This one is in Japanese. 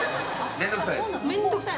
面倒くさいの。